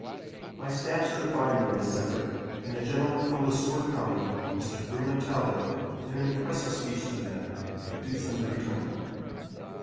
My staff stood by me in this effort, and a gentleman from Le Sueur county, Mr. Freeman Talbott, made an impressive speech to the men, to induce them to return.